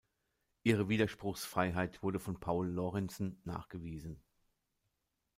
Ihre Widerspruchsfreiheit wurde von Paul Lorenzen nachgewiesen.